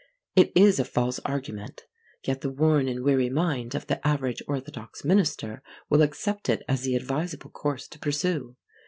It is a false argument, yet the worn and weary mind of the average orthodox minister will accept it as the advisable course to pursue.